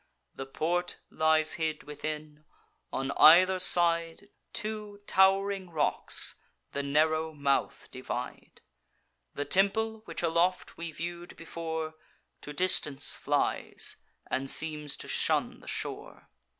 The port lies hid within; on either side Two tow'ring rocks the narrow mouth divide. The temple, which aloft we view'd before, To distance flies, and seems to shun the shore.